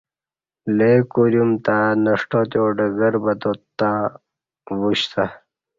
لئے کودیوم تں نُݜٹاتی ڈگربتات تں وُشتہ